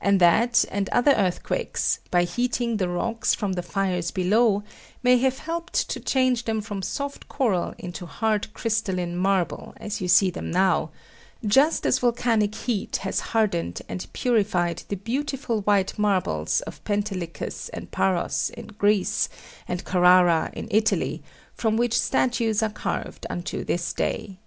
And that and other earthquakes, by heating the rocks from the fires below, may have helped to change them from soft coral into hard crystalline marble as you see them now, just as volcanic heat has hardened and purified the beautiful white marbles of Pentelicus and Paros in Greece, and Carrara in Italy, from which statues are carved unto this day.